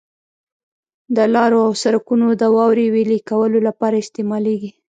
د لارو او سرکونو د واورې ویلي کولو لپاره استعمالیږي.